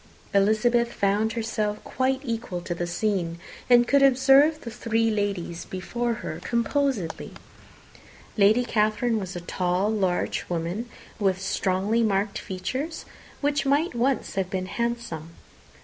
Elizabeth found herself quite equal to the scene, and could observe the three ladies before her composedly. Lady Catherine was a tall, large woman, with strongly marked features, which might once have been handsome.